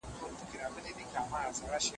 د ذمیانو ژوند ته درناوی وکړئ.